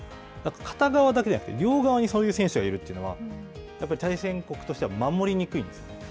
片側だけじゃなくて両側にそういう選手がいるというのは、やっぱり対戦国として、守りにくいんですね。